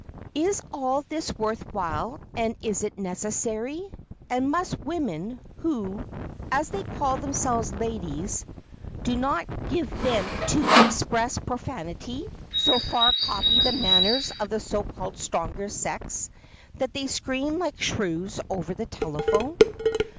Is all this worth while, and is it necessary? And must women, who, as they call themselves ladies, do not give vent to expressed profanity, so far copy the manners of the so called stronger sex that they scream like shrews over the telephone?